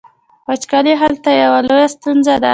وچکالي هلته یوه لویه ستونزه ده.